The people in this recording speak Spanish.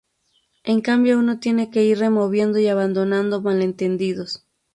En cambio uno tiene que ir removiendo y abandonando malentendidos.